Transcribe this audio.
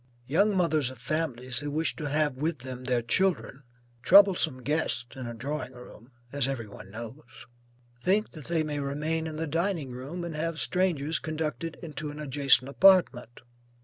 Young mothers of families who wish to have with them their children, (troublesome guests, in a drawing room, as every one knows,) think that they may remain in the dining room, and have strangers conducted into an adjacent apartment.